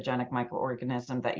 debit jika musim kuning memudah